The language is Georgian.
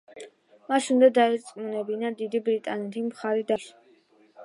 მას უნდა დაერწმუნებინა დიდი ბრიტანეთი, მხარი დაეჭირა აჯანყებისათვის.